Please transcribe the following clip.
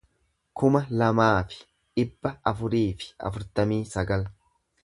kuma lamaa fi dhibba afurii fi afurtamii sagal